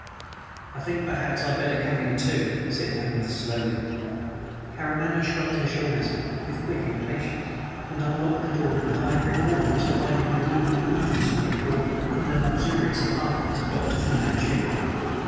"I think perhaps I'd better come in, too," said Weymouth slowly. Karamaneh shrugged her shoulders with quick impatience, and unlocked the door in the high brick wall which divided the gloomy, evil smelling court from the luxurious apartments of Dr. Fu Manchu.